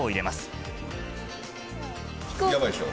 やばいっしょ。